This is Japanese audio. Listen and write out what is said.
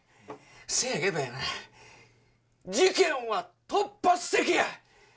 せやけどやな、事件は突発的や。